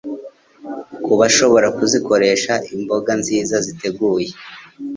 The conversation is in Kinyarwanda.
Ku bashobora kuzikoresha, imboga nziza ziteguwe